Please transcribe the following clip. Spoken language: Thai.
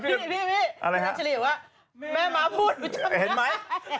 พี่พี่แบบเพื่อนพี่